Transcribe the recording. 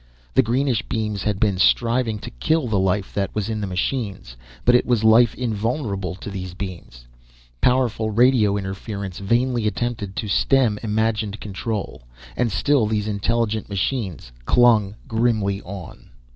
The greenish beams had been striving to kill the life that was in the machines, but it was life invulnerable to these beams. Powerful radio interference vainly attempted to stem imagined control, and still these intelligent machines clung grimly on.